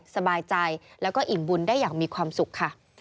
สบายใจแล้วก็อิ่มบุญได้อย่างมีความสุขค่ะ